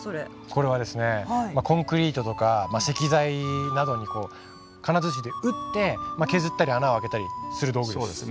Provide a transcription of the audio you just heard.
これはですねコンクリートとか石材などにこうかなづちで打って削ったり穴をあけたりする道具です。